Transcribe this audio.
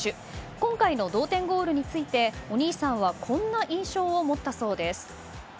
今回の同点ゴールについてお兄さんはこんな印象を持ったそうです。